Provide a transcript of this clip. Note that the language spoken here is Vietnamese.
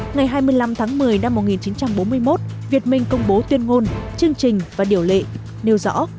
ngày hai mươi năm tháng một mươi năm một nghìn chín trăm bốn mươi một việt minh công bố tuyên ngôn chương trình và điều lệ nêu rõ